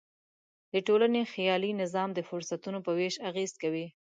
د ټولنې خیالي نظام د فرصتونو په وېش اغېز کوي.